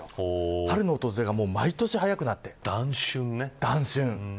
春の訪れが毎年早くなっています。